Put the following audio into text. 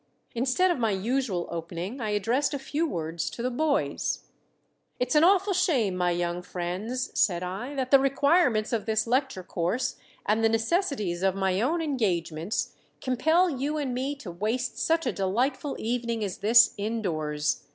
Instead of my usual opening I addressed a few words to the boys. "It is an awful shame, my young friends," said I, "that the requirements of this lecture course and the necessities of my own engagements compel you and me to waste such a delightful evening as this indoors.